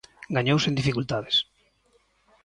Gañou sen dificultades.